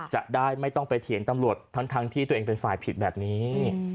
จะได้ไม่ต้องไปเถียงตำรวจทั้งที่ตัวเองเป็นฝ่ายผิดแบบนี้